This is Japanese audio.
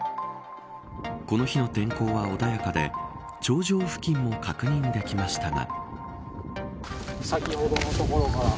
この日の天候は穏やかで頂上付近も確認できましたが。